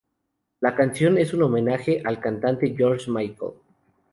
La canción es un homenaje al cantante George Michael.